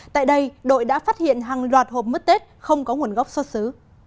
tại đây đội đã phát hiện hàng loạt hộp mứt tết không có nguồn gốc xuất xứ